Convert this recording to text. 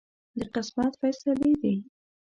د قسمت فیصلې دي.